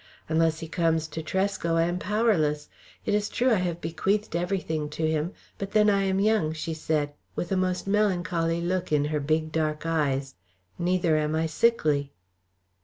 "Unless he comes to Tresco I am powerless. It is true I have bequeathed everything to him, but then I am young," she said, with a most melancholy look in her big dark eyes. "Neither am I sickly."